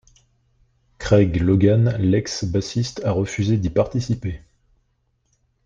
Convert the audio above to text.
Craig Logan, l'ex bassiste a refusé d'y participer.